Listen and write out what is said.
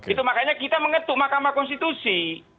itu makanya kita mengetuk mahkamah konstitusi